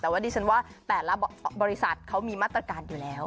แต่ว่าดิฉันว่าแต่ละบริษัทเขามีมาตรการอยู่แล้ว